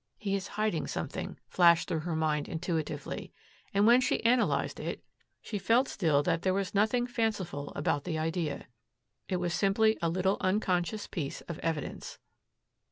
"He is hiding something," flashed through her mind intuitively. And, when she analyzed it, she felt still that there was nothing fanciful about the idea. It was simply a little unconscious piece of evidence.